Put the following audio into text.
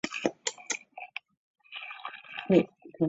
樊集乡是中国江苏省盐城市滨海县下辖的一个乡。